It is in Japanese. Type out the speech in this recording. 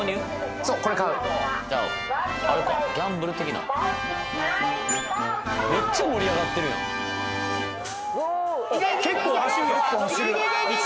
そうこれ買うじゃああれかギャンブル的なめっちゃ盛り上がってるやんいけいけいけいけ！